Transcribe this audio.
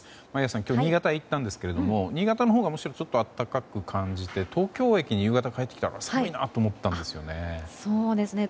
今日、新潟に行ったんですが新潟のほうがむしろ暖かく感じて東京駅に夕方、帰ってきたら寒いなと思ったんですよね。